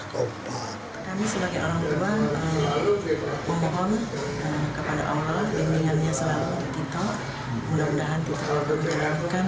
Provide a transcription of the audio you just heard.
semoga allah selalu melindungi dan kita akan berhasil